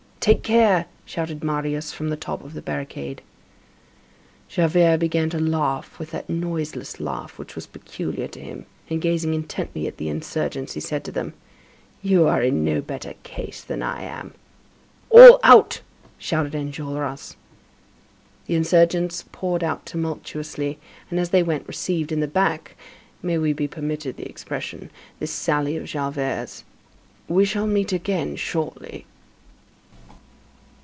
"Take care!" shouted Marius from the top of the barricade. Javert began to laugh with that noiseless laugh which was peculiar to him, and gazing intently at the insurgents, he said to them: "You are in no better case than I am." "All out!" shouted Enjolras. The insurgents poured out tumultuously, and, as they went, received in the back,—may we be permitted the expression,—this sally of Javert's: "We shall meet again shortly!"